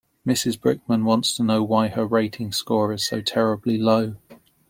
Mrs Brickman wants to know why her rating score is so terribly low.